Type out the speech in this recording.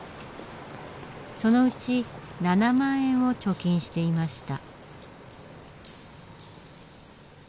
そのうち７万円を貯金していました。